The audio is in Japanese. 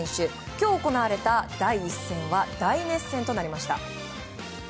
今日行われた第１戦は大熱戦となりました。